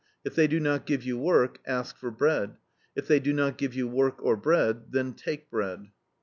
If they do not give you work, ask for bread. If they do not give you work or bread, then take bread."